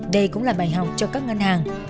đây cũng là bài học cho các ngân hàng